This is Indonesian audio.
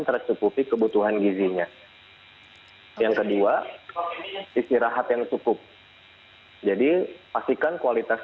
tercukupi kebutuhan gizinya yang kedua istirahat yang cukup jadi pastikan kualitas